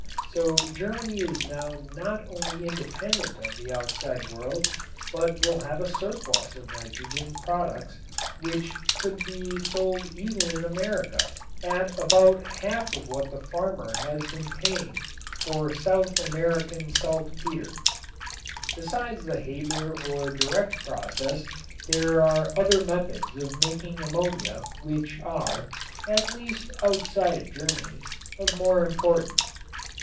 So Germany is now not only independent of the outside world but will have a surplus of nitrogen products which could be sold even in America at about half what the farmer has been paying for South American saltpeter. Besides the Haber or direct process there are other methods of making ammonia which are, at least outside of Germany, of more importance.